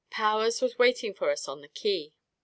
Powers was waiting for us on the quay.